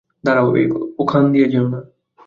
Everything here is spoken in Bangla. দাঁড়াও, ওখান দিয়ে যেও না।